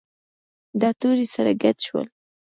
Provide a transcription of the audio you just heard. دا توري سره ګډ شول.